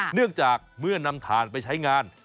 เนื่องจากเมื่อนำถ่านไปใช้งาน